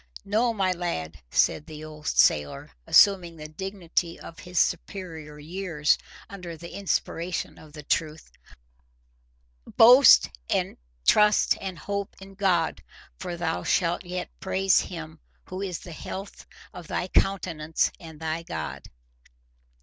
No, my lad," said the old sailor, assuming the dignity of his superior years under the inspiration of the truth, "boast nor trust nor hope in the morrow. Boast and trust and hope in God, for thou shalt yet praise Him, who is the health of thy countenance and thy God."